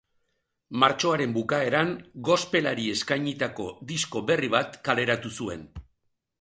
Martxoaren bukaeran, gospelari eskainitako disko berri bat kaleratu zuen.